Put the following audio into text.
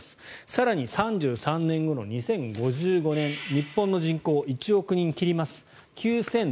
更に、３３年後の２０５５年日本の人口は１億人を切ります。